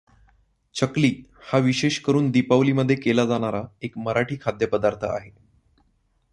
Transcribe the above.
चकली हा विशेषकरून दीपावलीमध्ये केला जाणारा एक मराठी खाद्यपदार्थ आहे.